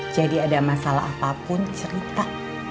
jadi ada masalah apapun cerita